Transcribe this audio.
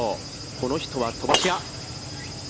この人は飛ばし屋。